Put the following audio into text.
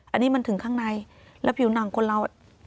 อันนี้มันถึงข้างในแล้วผิวหนังคนเรา